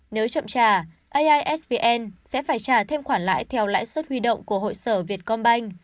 nếu chậm trả aisvn sẽ phải trả thêm khoản lãi theo lãi suất huy động của hội sở việt công banh